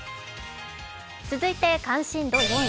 続いて関心度４位。